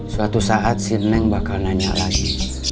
suatu saat si neng bakal nanya lagi